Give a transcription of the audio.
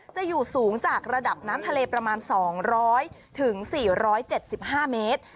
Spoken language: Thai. จะอยู่สูงจากระดับน้ำทะเลประมาณ๒๐๐๔๗๕เมตร